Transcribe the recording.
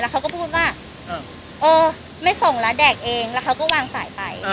เขาก็พูดว่าเออไม่ส่งแล้วแดกเองแล้วเขาก็วางสายไป